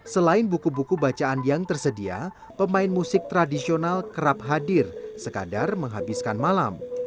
selain buku buku bacaan yang tersedia pemain musik tradisional kerap hadir sekadar menghabiskan malam